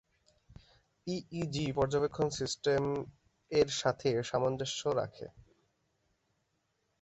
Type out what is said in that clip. EEG পর্যবেক্ষন system এর সাথে সামঞ্জস্য রাখে।